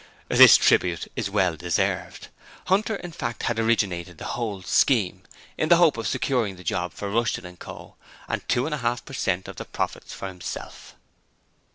This tribute was well deserved; Hunter in fact had originated the whole scheme in the hope of securing the job for Rushton & Co., and two and a half per cent of the profits for himself.